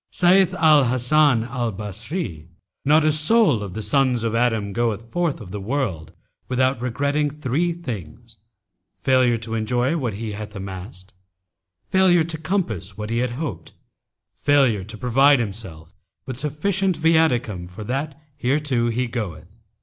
Saith Al Hasan al Basrí,[FN#283] Not a soul of the sons of Adam goeth forth of the world without regretting three things, failure to enjoy what he hath amassed, failure to compass what he hoped, failure to provide himself with sufficient viaticum for that hereto he goeth.